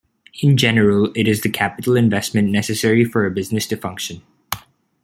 In general it is the capital investment necessary for a business to function.